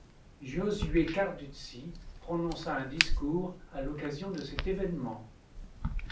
Giosuè Carducci prononça un discours à l'occasion de cet évènement.